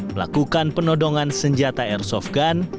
melakukan penodongan senjata airsoft gun